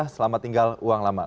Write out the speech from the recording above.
selamat tinggal uang lama